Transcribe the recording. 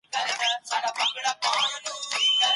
خپل کور ته د لمر وړانګې راولئ.